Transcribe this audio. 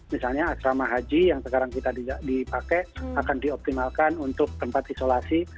misalnya asrama haji yang sekarang kita dipakai akan dioptimalkan untuk tempat isolasi